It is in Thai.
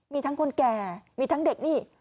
มีทั้งคนแก่มีทั้งเด็กนี่